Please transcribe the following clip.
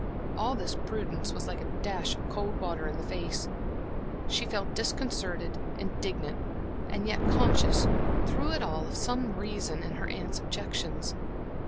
All this prudence was like a dash of cold water in the face. She felt disconcerted, indignant, and yet conscious, through it all of some reason in her aunts' objections.